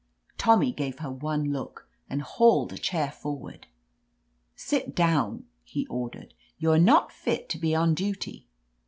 Tommy gave her one look, and hauled a chair forward. "Sit down," he ordered. "You are not fit to be on duty."